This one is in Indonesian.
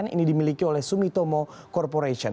ini dimiliki oleh sumitomo corporation